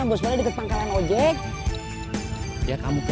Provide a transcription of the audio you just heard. nggak tahu tadi saya ketemunya eigenlijk xanya bout xan